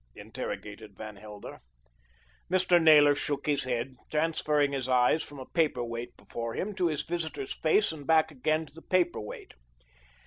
interrogated Van Helder. Mr. Naylor shook his head, transferring his eyes from a paper weight before him to his visitor's face and back again to the paper weight.